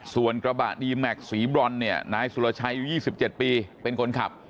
ส่วนกระบะดีแม็กซีบรอนเนี่ยนายสุรชัยอายุ๒๗ปีเป็นคนขับ